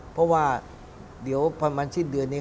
เพราะว่าเดี๋ยวประมาณสิ้นเดือนนี้